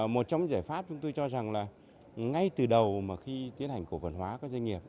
một trong những giải pháp chúng tôi cho rằng là ngay từ đầu mà khi tiến hành cổ phần hóa các doanh nghiệp